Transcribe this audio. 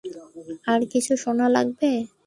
আর কিছু শেখা লাগবে?